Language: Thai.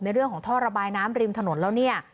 เรื่องของท่อระบายน้ำริมถนนแล้วเนี่ย